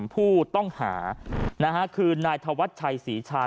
ผู้ต้องหาคือนายธวัชชัยศรีชา